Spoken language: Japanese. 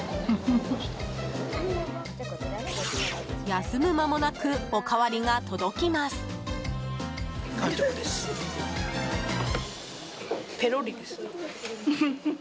休む間もなくおかわりが届きます。